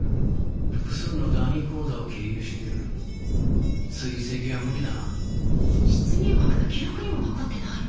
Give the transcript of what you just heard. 複数のダミー口座を経由してる追跡は無理だな出入国の記録にも残ってないの？